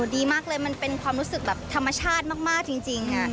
ดีมากเลยมันเป็นความรู้สึกแบบธรรมชาติมากจริง